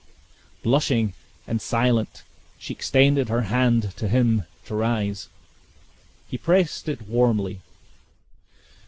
Blushing and silent, she extended her hand to him to rise. He pressed it warmly.